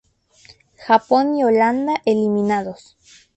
Japón y Holanda eliminados.